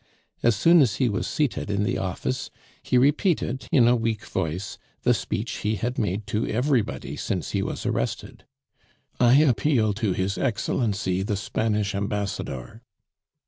As soon as he was seated in the office, he repeated in a weak voice the speech he had made to everybody since he was arrested: "I appeal to His Excellency the Spanish Ambassador."